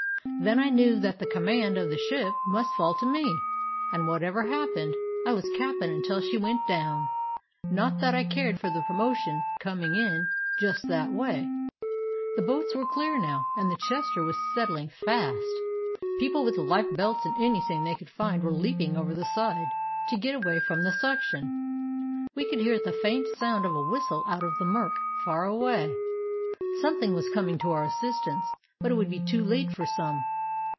"Then I knew that the command of the ship must fall to me: and whatever happened, I was cap'n until she went down — not that I cared for the promotion coming in just that way. The boats were clear now, and the Chester was settling fast. People with life belts and anything they could find were leap ing over the side, to get away from the suction. We could hear the faint sound of a whistle out of the murk, far away. Something was com ing to our assistance, but it would be too late for some.